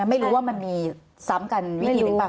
ไม่รู้ว่ามันมีซ้ำกันวิธีหนึ่งป่